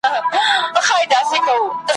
هم منکر دکتابو یم